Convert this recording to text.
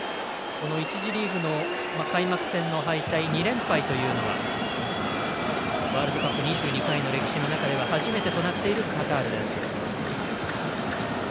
１次リーグの開幕戦の敗退２連敗というのがワールドカップ２２回の歴史の中では初めてとなっているカタールです。